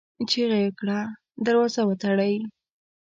چيغه يې کړه! دروازه وتړئ!